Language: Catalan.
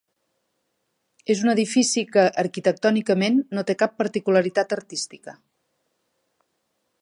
És un edifici que arquitectònicament no té cap particularitat artística.